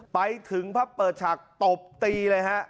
ไปถึงพระเปิดฉักตบตีเลยฮะ